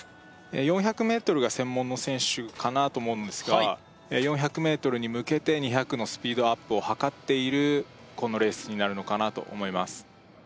４００ｍが専門の選手かなと思うんですが４００ｍに向けて２００のスピードアップをはかっているこのレースになるのかなと思います